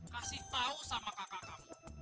kasih tahu sama kakak kamu